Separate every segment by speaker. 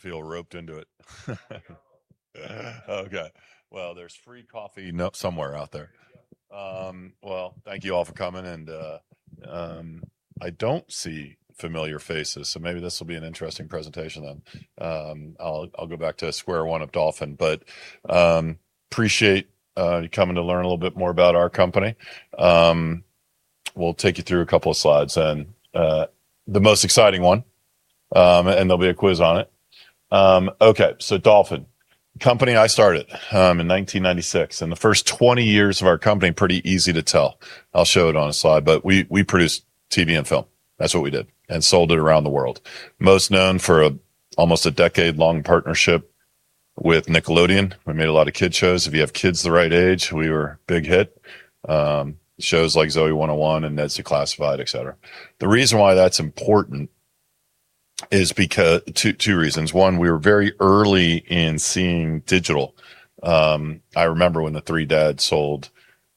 Speaker 1: Feel roped into it. There's free coffee somewhere out there. Thank you all for coming. I don't see familiar faces, so maybe this will be an interesting presentation then. I'll go back to square one of Dolphin. Appreciate you coming to learn a little bit more about our company. We'll take you through a couple of slides and the most exciting one. There'll be a quiz on it. Dolphin, company I started in 1996. The first 20 years of our company, pretty easy to tell. I'll show it on a slide. We produced TV and film. That's what we did. Sold it around the world. Most known for almost a decade-long partnership with Nickelodeon. We made a lot of kid shows. If you have kids the right age, we were a big hit. Shows like Zoey 101 and Ned's Declassified, et cetera. The reason why that's important is two reasons. One, we were very early in seeing digital. I remember when the three dads sold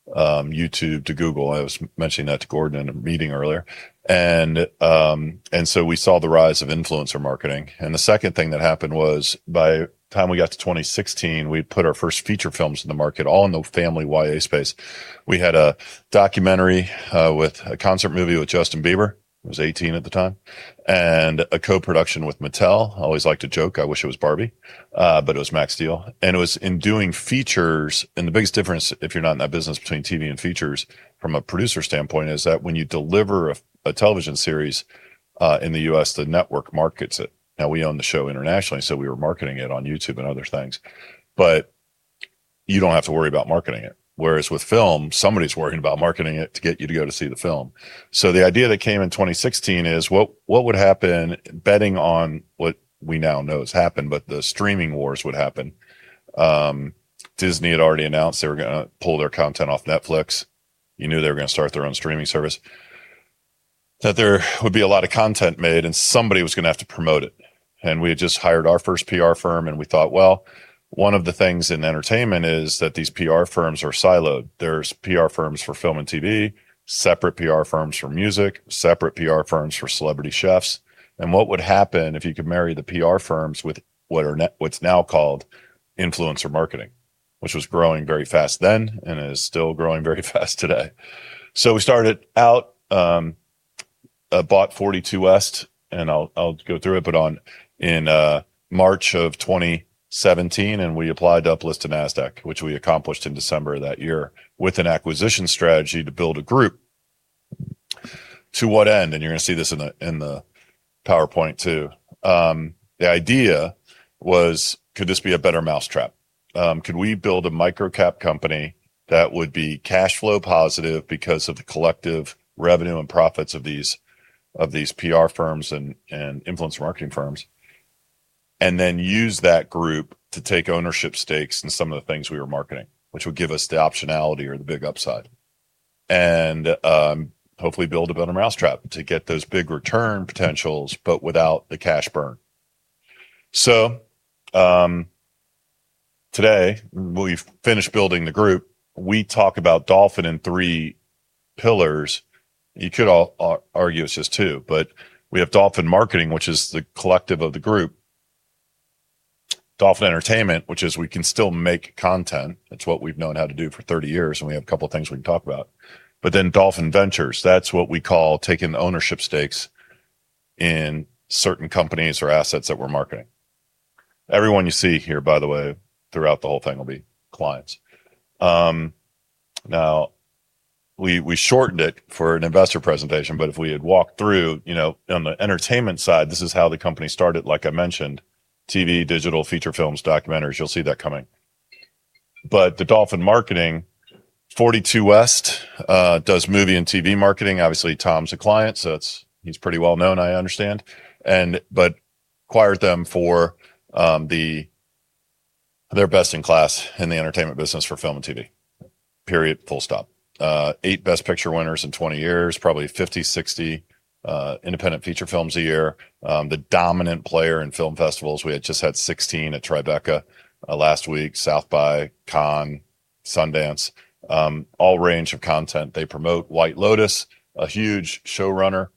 Speaker 1: YouTube to Google. I was mentioning that to Gordon in a meeting earlier. We saw the rise of influencer marketing. The second thing that happened was by the time we got to 2016, we put our first feature films in the market, all in the family YA space. We had a documentary with a concert movie with Justin Bieber, he was 18 at the time, and a co-production with Mattel. I always like to joke, I wish it was Barbie, but it was Max Steel. It was in doing features. The biggest difference if you're not in that business between TV and features from a producer standpoint is that when you deliver a television series, in the U.S., the network markets it. Now we own the show internationally, so we were marketing it on YouTube and other things. You don't have to worry about marketing it. Whereas with film, somebody's worrying about marketing it to get you to go to see the film. The idea that came in 2016 is what would happen, betting on what we now know has happened. The streaming wars would happen. Disney had already announced they were going to pull their content off Netflix. You knew they were going to start their own streaming service, that there would be a lot of content made and somebody was going to have to promote it. We had just hired our first PR firm and we thought, one of the things in entertainment is that these PR firms are siloed. There's PR firms for film and TV, separate PR firms for music, separate PR firms for celebrity chefs. What would happen if you could marry the PR firms with what's now called influencer marketing, which was growing very fast then and is still growing very fast today. We started out, bought 42West. I'll go through it, but in March of 2017, we applied to uplist to Nasdaq, which we accomplished in December of that year, with an acquisition strategy to build a group. To what end? You're going to see this in the PowerPoint too. The idea was, could this be a better mousetrap? Could we build a microcap company that would be cash flow positive because of the collective revenue and profits of these PR firms and influencer marketing firms, then use that group to take ownership stakes in some of the things we were marketing, which would give us the optionality or the big upside. Hopefully build a better mousetrap to get those big return potentials, without the cash burn. Today, we've finished building the group. We talk about Dolphin in three pillars. You could argue it's just two, we have Dolphin Marketing, which is the collective of the group. Dolphin Entertainment, which is we can still make content. It's what we've known how to do for 30 years, we have a couple of things we can talk about. Dolphin Ventures, that's what we call taking ownership stakes in certain companies or assets that we're marketing. Everyone you see here, by the way, throughout the whole thing will be clients. We shortened it for an investor presentation, if we had walked through on the entertainment side, this is how the company started, like I mentioned, TV, digital, feature films, documentaries, you'll see that coming. The Dolphin Marketing, 42West does movie and TV marketing. Obviously, Tom's a client, he's pretty well-known, I understand. Acquired them for their best-in-class in the entertainment business for film and TV. Period, full stop. Eight Best Picture winners in 20 years, probably 50, 60 independent feature films a year. The dominant player in film festivals. We had just had 16 at Tribeca last week, South by, Cannes, Sundance, all range of content. They promote White Lotus, a huge showrunner,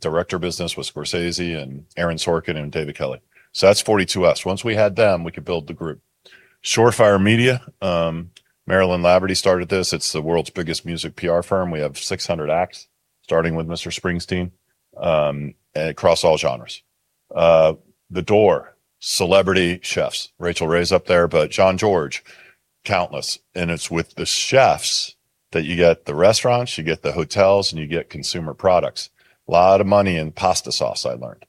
Speaker 1: director business with Scorsese, Aaron Sorkin, and David Kelley. That's 42West. Once we had them, we could build the group. Shore Fire Media, Marilyn Laverty started this. It's the world's biggest music PR firm. We have 600 acts, starting with Mr. Springsteen, across all genres. The Door, celebrity chefs. Rachael Ray's up there, Jean-Georges, countless. It's with the chefs that you get the restaurants, you get the hotels, and you get consumer products. A lot of money in pasta sauce, I learned,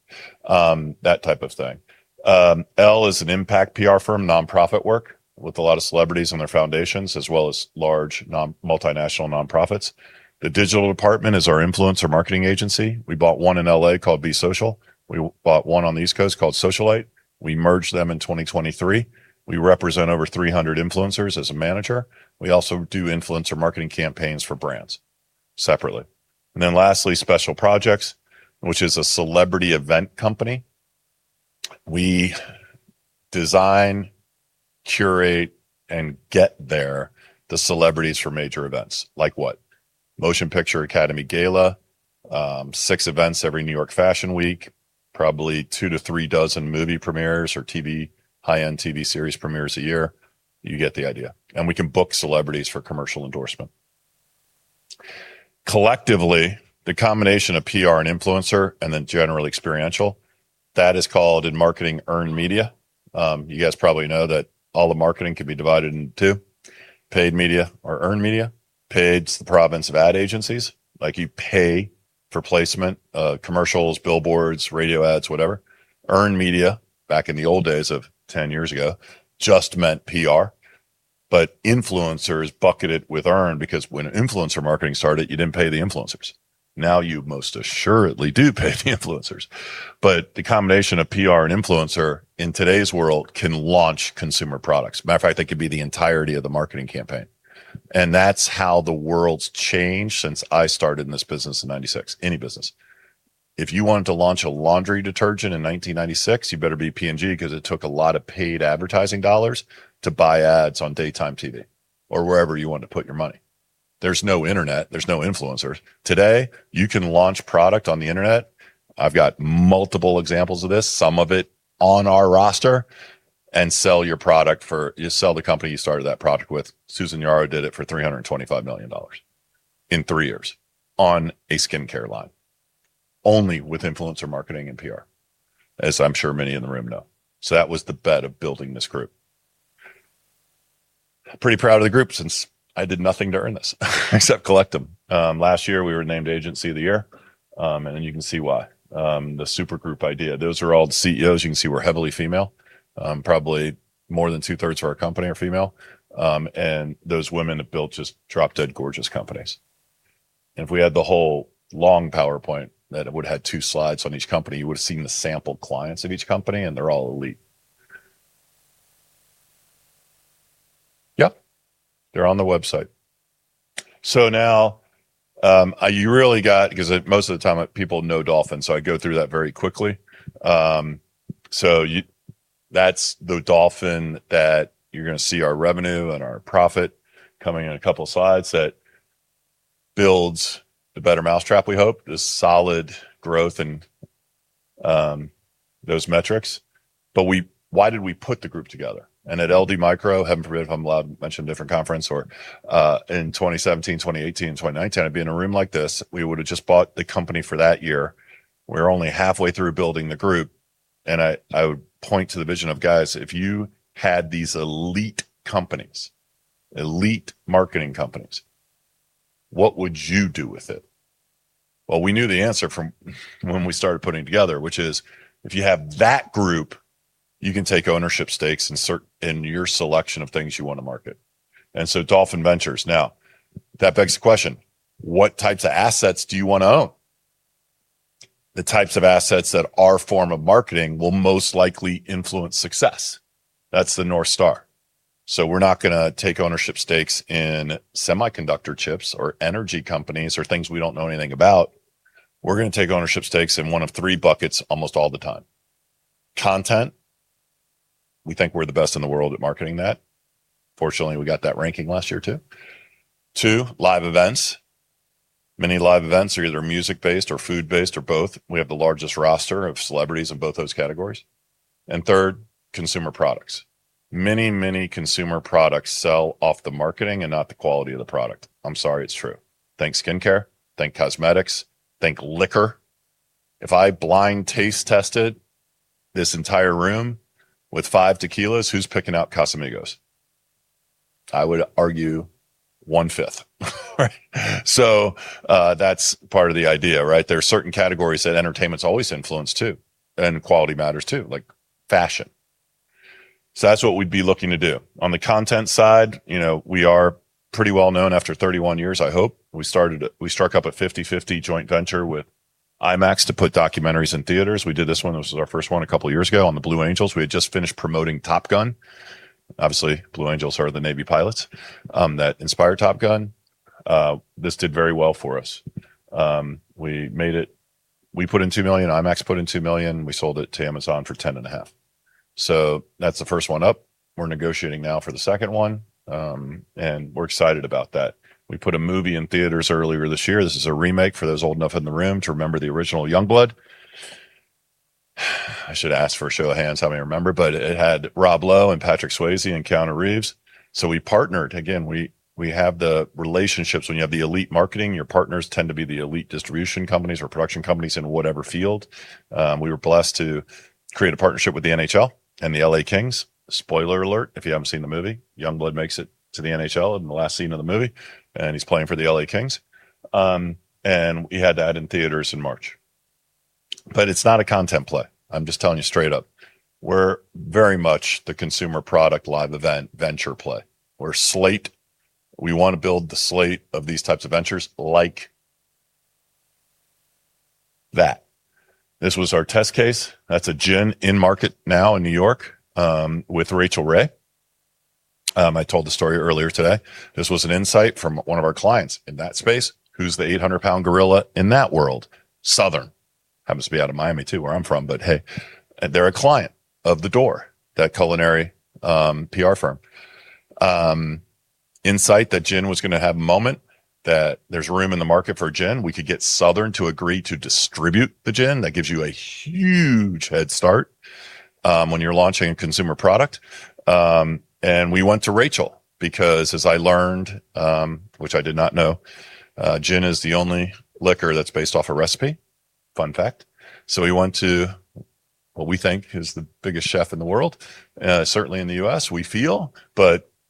Speaker 1: that type of thing. Elle Communications is an impact PR firm, nonprofit work with a lot of celebrities on their foundations, as well as large multinational nonprofits. The Digital Dept. is our influencer marketing agency. We bought one in L.A. called Be Social. We bought one on the East Coast called Socialite. We merged them in 2023. We represent over 300 influencers as a manager. We also do influencer marketing campaigns for brands separately. Lastly, Special Projects, which is a celebrity event company. We Design, curate, and get there the celebrities for major events. Like what? Academy Museum Gala, six events every New York Fashion Week, probably two to three dozen movie premieres or high-end TV series premieres a year. You get the idea. We can book celebrities for commercial endorsement. Collectively, the combination of PR and influencer, general experiential, that is called, in marketing, earned media. You guys probably know that all of marketing can be divided in two, paid media or earned media. Paid is the province of ad agencies. You pay for placement, commercials, billboards, radio ads, whatever. Earned media, back in the old days of 10 years ago, just meant PR, but influencers bucket it with earned because when influencer marketing started, you didn't pay the influencers. Now you most assuredly do pay the influencers. The combination of PR and influencer in today's world can launch consumer products. Matter of fact, that could be the entirety of the marketing campaign. That's how the world's changed since I started in this business in 1996, any business. If you wanted to launch a laundry detergent in 1996, you better be P&G because it took a lot of paid advertising dollars to buy ads on daytime TV or wherever you wanted to put your money. There's no internet, there's no influencers. Today, you can launch product on the internet, I've got multiple examples of this, some of it on our roster, and sell the company you started that product with. Susan Yara did it for $325 million in three years on a skincare line, only with influencer marketing and PR, as I'm sure many in the room know. That was the bet of building this group. Pretty proud of the group since I did nothing to earn this except collect them. Last year, we were named Agency of the Year, and you can see why. The supergroup idea, those are all the CEOs. You can see we're heavily female. Probably more than two-thirds of our company are female, and those women have built just drop-dead gorgeous companies. If we had the whole long PowerPoint that it would've had two slides on each company, you would've seen the sample clients of each company, and they're all elite. Yep. They're on the website. Because most of the time people know Dolphin, so I go through that very quickly. That's the Dolphin that you're going to see our revenue and our profit coming in a couple slides, that builds the better mouse trap we hope, this solid growth and those metrics. Why did we put the group together? At LD Micro, heaven forbid if I'm allowed to mention a different conference, or in 2017, 2018, and 2019, I'd be in a room like this. We would've just bought the company for that year. We're only halfway through building the group, and I would point to the vision of guys, if you had these elite companies, elite marketing companies, what would you do with it? Well, we knew the answer from when we started putting it together, which is if you have that group, you can take ownership stakes in your selection of things you want to market. Dolphin Ventures. Now, that begs the question, what types of assets do you want to own? The types of assets that our form of marketing will most likely influence success. That's the North Star. We're not going to take ownership stakes in semiconductor chips or energy companies or things we don't know anything about. We're going to take ownership stakes in one of three buckets almost all the time. Content, we think we're the best in the world at marketing that. 2, live events. Many live events are either music-based or food-based or both. We have the largest roster of celebrities in both those categories. 3, consumer products. Many consumer products sell off the marketing and not the quality of the product. I'm sorry, it's true. Think skincare, think cosmetics, think liquor. If I blind taste tested this entire room with five tequilas, who's picking out Casamigos? I would argue one-fifth. That's part of the idea. There are certain categories that entertainment's always influenced, too, and quality matters too, like fashion. That's what we'd be looking to do. On the content side, we are pretty well known after 31 years, I hope. We struck up a 50/50 joint venture with IMAX to put documentaries in theaters. We did this one, this was our first one a couple of years ago, on the Blue Angels. We had just finished promoting "Top Gun." Obviously, Blue Angels are the Navy pilots that inspired "Top Gun." This did very well for us. We put in $2 million, IMAX put in $2 million. We sold it to Amazon for $10.5 million. That's the first one up. We're negotiating now for the second one, and we're excited about that. We put a movie in theaters earlier this year. This is a remake for those old enough in the room to remember the original "Youngblood." I should ask for a show of hands how many remember, but it had Rob Lowe and Patrick Swayze and Keanu Reeves. We partnered. Again, we have the relationships. When you have the elite marketing, your partners tend to be the elite distribution companies or production companies in whatever field. We were blessed to create a partnership with the NHL and the L.A. Kings. Spoiler alert, if you haven't seen the movie, Youngblood makes it to the NHL in the last scene of the movie, and he's playing for the L.A. Kings. We had that in theaters in March. It's not a content play. I'm just telling you straight up. We're very much the consumer product live event venture play. We're slate. We want to build the slate of these types of ventures like that. This was our test case. That's a gin in market now in New York, with Rachael Ray I told the story earlier today. This was an insight from one of our clients in that space who's the 800-pound gorilla in that world, Southern. Happens to be out of Miami too, where I'm from, but hey. They're a client of The Door, that culinary PR firm. Insight that gin was going to have a moment, that there's room in the market for gin. We could get Southern to agree to distribute the gin. That gives you a huge head start when you're launching a consumer product. We went to Rachael, because as I learned, which I did not know, gin is the only liquor that's based off a recipe. Fun fact. We went to, who we think is the biggest chef in the world, certainly in the U.S., we feel.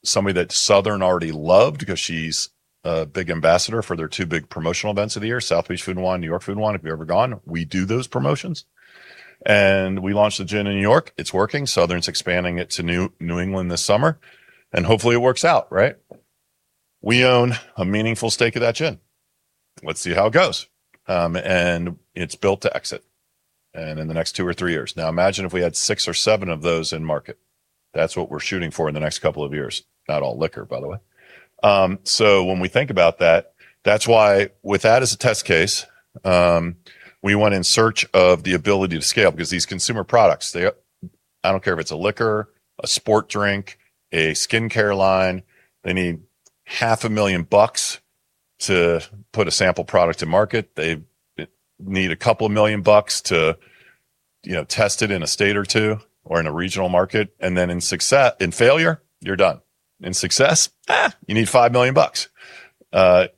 Speaker 1: Somebody that Southern already loved because she's a big ambassador for their two big promotional events of the year, South Beach Wine & Food Festival, New York City Wine & Food Festival. If you've ever gone, we do those promotions. We launched the gin in New York. It's working. Southern's expanding it to New England this summer, hopefully it works out. We own a meaningful stake of that gin. Let's see how it goes. It's built to exit in the next two or three years. Now, imagine if we had six or seven of those in market. That's what we're shooting for in the next couple of years. Not all liquor, by the way. When we think about that's why with that as a test case, we went in search of the ability to scale, because these consumer products, I don't care if it's a liquor, a sport drink, a skincare line, they need half a million dollars to put a sample product to market. They need a couple of million dollars to test it in a state or two, or in a regional market. Then in failure, you're done. In success, you need $5 million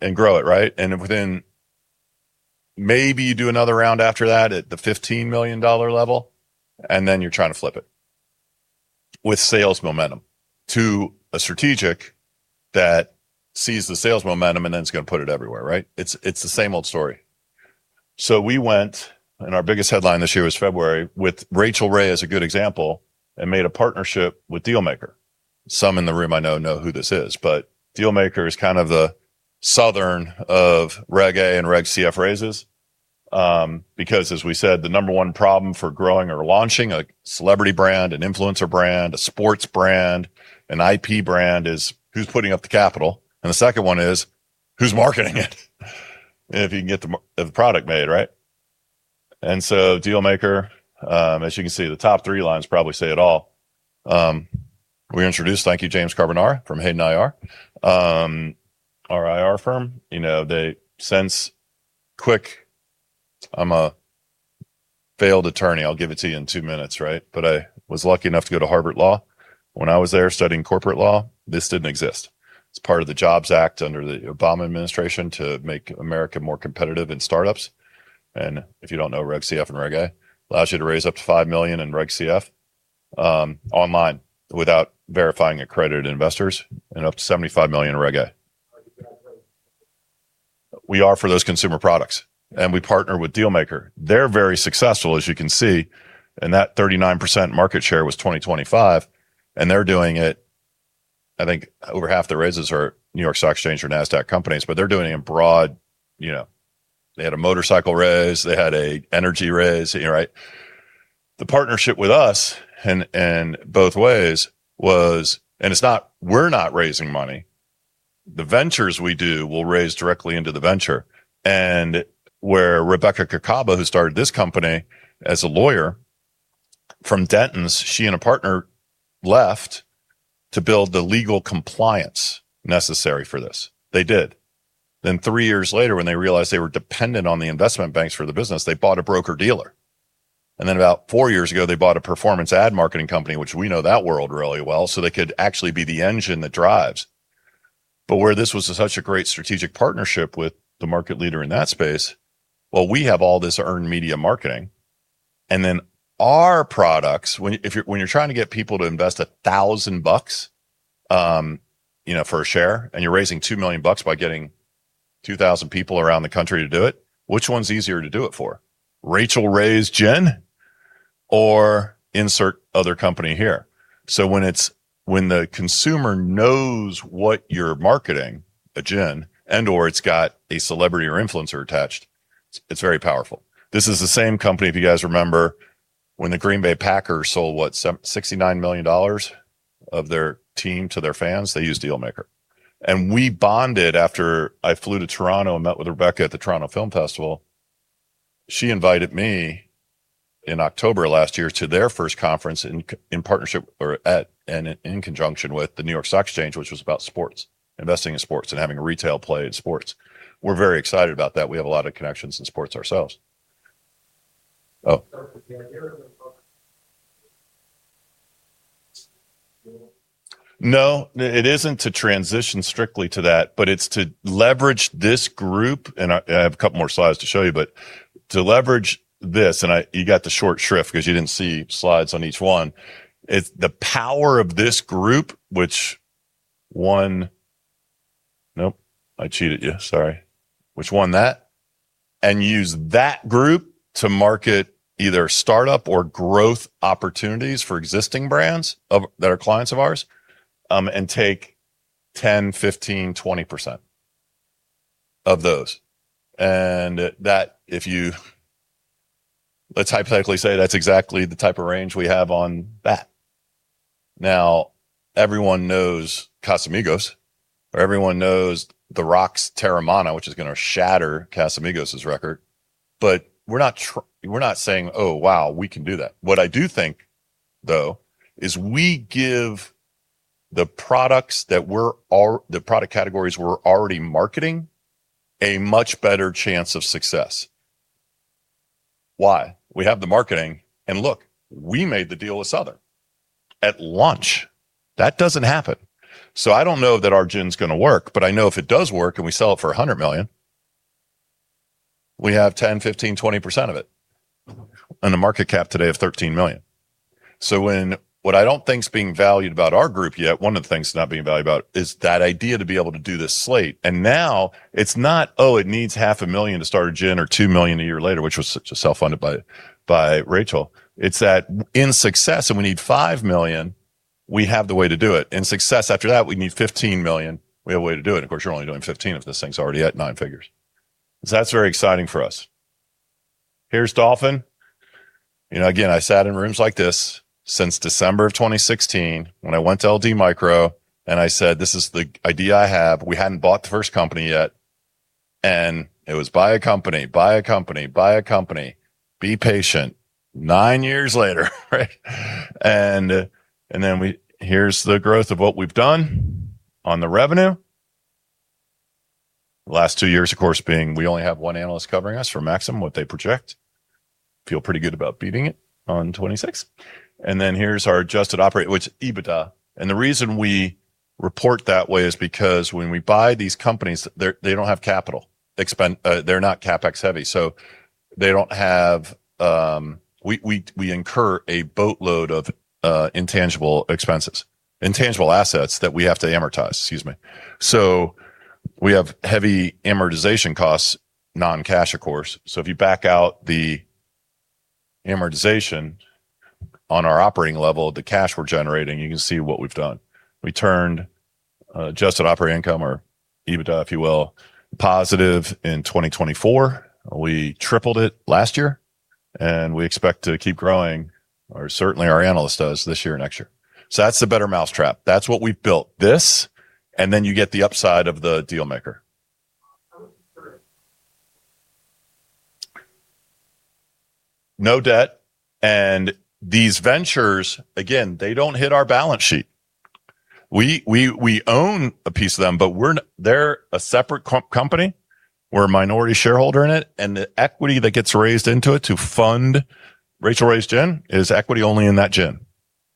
Speaker 1: and grow it. Within, maybe you do another round after that at the $15 million level, then you're trying to flip it with sales momentum to a strategic that sees the sales momentum and then is going to put it everywhere. It's the same old story. We went, our biggest headline this year was February, with Rachael Ray as a good example, made a partnership with DealMaker. Some in the room I know who this is, DealMaker is the Southern of Reg A and Reg CF raises. As we said, the number 1 problem for growing or launching a celebrity brand, an influencer brand, a sports brand, an IP brand is, who's putting up the capital? The second one is, who's marketing it? If you can get the product made. DealMaker, as you can see, the top three lines probably say it all. We introduced, thank you, James Carbonara from Hayden IR, our IR firm. They sense quick. I'm a failed attorney. I'll give it to you in two minutes. I was lucky enough to go to Harvard Law. When I was there studying corporate law, this didn't exist. It's part of the JOBS Act under the Obama administration to make America more competitive in startups. If you don't know Reg CF and Reg A, allows you to raise up to $5 million in Reg CF online without verifying accredited investors, and up to $75 million in Reg A. We are for those consumer products, we partner with DealMaker. They're very successful, as you can see, that 39% market share was 2025, they're doing it, I think over half their raises are New York Stock Exchange or Nasdaq companies, but they're doing it. They had a motorcycle raise. They had an energy raise. We're not raising money. The ventures we do will raise directly into the venture. Where Rebecca Kacaba, who started this company as a lawyer from Dentons, she and a partner left to build the legal compliance necessary for this. They did. Three years later, when they realized they were dependent on the investment banks for the business, they bought a broker-dealer. About four years ago, they bought a performance ad marketing company, which we know that world really well, so they could actually be the engine that drives. Where this was such a great strategic partnership with the market leader in that space, well, we have all this earned media marketing, and then our products, when you're trying to get people to invest $1,000 for a share, and you're raising $2 million by getting 2,000 people around the country to do it, which one's easier to do it for? Rachael Ray's gin, or insert other company here? When the consumer knows what you're marketing, a gin, and/or it's got a celebrity or influencer attached, it's very powerful. This is the same company, if you guys remember, when the Green Bay Packers sold, what? $69 million of their team to their fans, they used DealMaker. We bonded after I flew to Toronto and met with Rebecca at the Toronto International Film Festival. She invited me in October of last year to their first conference in partnership or in conjunction with the New York Stock Exchange, which was about sports, investing in sports, and having a retail play in sports. We're very excited about that. We have a lot of connections in sports ourselves. No, it isn't to transition strictly to that, but it's to leverage this group, and I have a couple more slides to show you, but to leverage this, and you got the short shrift because you didn't see slides on each one. It's the power of this group, which won that, and use that group to market either startup or growth opportunities for existing brands that are clients of ours, and take 10%, 15%, 20% of those. That if you Let's hypothetically say that's exactly the type of range we have on that. Everyone knows Casamigos, or everyone knows The Rock's Teremana, which is going to shatter Casamigos' record. We're not saying, "Oh, wow, we can do that." What I do think, though, is we give the product categories we're already marketing a much better chance of success. Why? We have the marketing, look, we made the deal with Southern at launch. That doesn't happen. I don't know that our gin's going to work, but I know if it does work and we sell it for $100 million, we have 10%, 15%, 20% of it on a market cap today of $13 million. What I don't think is being valued about our group yet, one of the things that's not being valued about, is that idea to be able to do this slate. Now it's not, "Oh, it needs half a million to start a gin or $2 million a year later" which was self-funded by Rachael. It's that in success and we need $5 million, we have the way to do it. In success after that, we need $15 million, we have a way to do it. Of course, you're only doing 15 if this thing's already at nine figures. That's very exciting for us. Here's Dolphin. Again, I sat in rooms like this since December of 2016 when I went to LD Micro and I said, "This is the idea I have." We hadn't bought the first company yet. It was buy a company, buy a company, buy a company, be patient. Nine years later, right? Here's the growth of what we've done on the revenue. Last two years, of course, being we only have one analyst covering us for maximum what they project. Feel pretty good about beating it on 2026. Here's our adjusted operating, which is EBITDA. The reason we report that way is because when we buy these companies, they don't have capital expense. They're not CapEx heavy. We incur a boatload of intangible assets that we have to amortize. Excuse me. We have heavy amortization costs, non-cash of course. If you back out the amortization on our operating level, the cash we're generating, you can see what we've done. We turned adjusted operating income or EBITDA, if you will, positive in 2024. We tripled it last year. We expect to keep growing, or certainly our analyst does this year and next year. That's the better mousetrap. That's what we've built. This. You get the upside of the DealMaker. No debt. These ventures, again, they don't hit our balance sheet. We own a piece of them. They're a separate company. We're a minority shareholder in it. The equity that gets raised into it to fund Rachael Ray's gin is equity only in that gin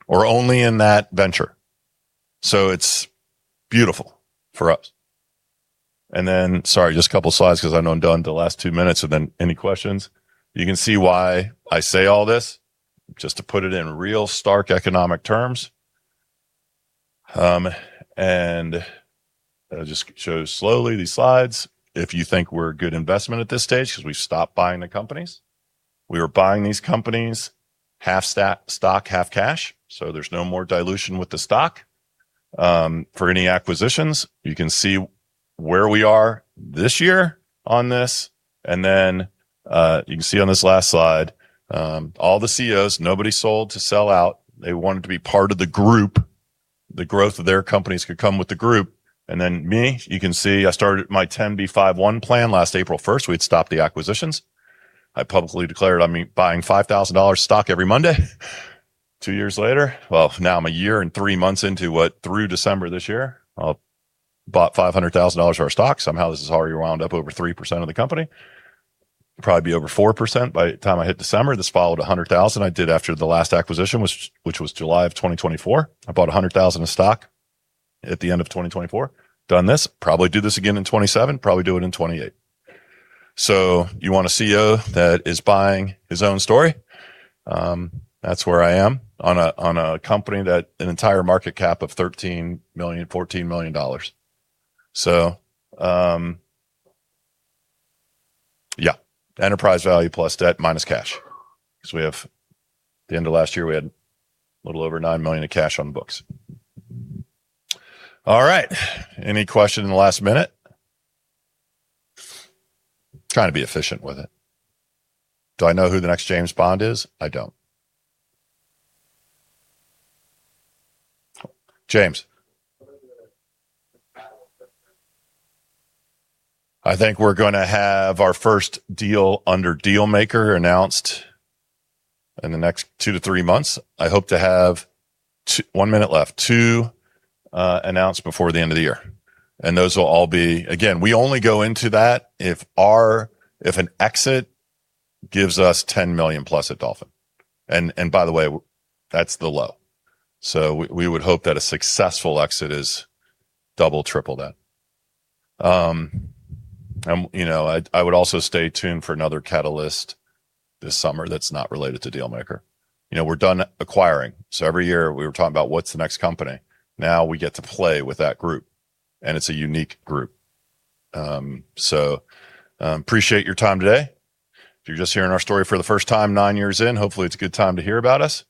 Speaker 1: or only in that venture. It's beautiful for us. Sorry, just a couple slides because I know I'm down to the last two minutes. Any questions? You can see why I say all this, just to put it in real stark economic terms. I'll just show slowly these slides. If you think we're a good investment at this stage because we've stopped buying the companies. We were buying these companies half stock, half cash. There's no more dilution with the stock for any acquisitions. You can see where we are this year on this. You can see on this last slide all the CEOs, nobody sold to sell out. They wanted to be part of the group. The growth of their companies could come with the group. Me, you can see I started my 10B5-1 plan last April 1st. We had stopped the acquisitions. I publicly declared I'm buying $5,000 stock every Monday. Two years later, well, now I'm a year and three months into what? Through December this year, I'll bought $500,000 of our stock. Somehow this has already wound up over 3% of the company. Probably be over 4% by the time I hit December. This followed $100,000 I did after the last acquisition, which was July of 2024. I bought $100,000 of stock at the end of 2024. Done this. Probably do this again in 2027. Probably do it in 2028. You want a CEO that is buying his own story? That's where I am on a company that an entire market cap of $13 million, $14 million. Yeah, enterprise value plus debt minus cash. Because the end of last year, we had a little over $9 million of cash on the books. All right. Any question in the last minute? Trying to be efficient with it. Do I know who the next James Bond is? I don't. James? I think we're going to have our first deal under DealMaker announced in the next two to three months. I hope to have, one minute left, two announced before the end of the year. Those will all be Again, we only go into that if an exit gives us $10 million-plus at Dolphin. By the way, that's the low. We would hope that a successful exit is double, triple that. I would also stay tuned for another catalyst this summer that's not related to DealMaker. We're done acquiring. Every year we were talking about what's the next company. Now we get to play with that group, and it's a unique group. Appreciate your time today. If you're just hearing our story for the first time nine years in, hopefully it's a good time to hear about us.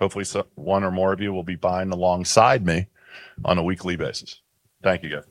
Speaker 1: Hopefully one or more of you will be buying alongside me on a weekly basis. Thank you, guys.